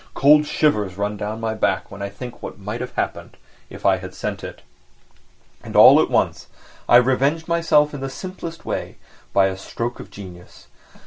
Cold shivers run down my back when I think of what might have happened if I had sent it. And all at once I revenged myself in the simplest way, by a stroke of genius!